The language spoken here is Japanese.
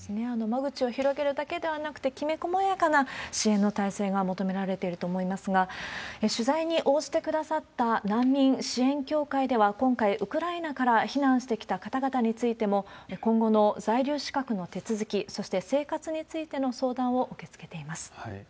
間口を広げるだけではなくて、きめ細やかな支援の態勢が求められていると思いますが、取材に応じてくださった難民支援協会では、今回、ウクライナから避難してきた方々についても、今後の在留資格の手続き、そして生活についての相談を受け付けています。